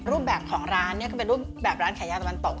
รูปแบบของร้านเนี่ยก็เป็นรูปแบบร้านขายยาตะวันตก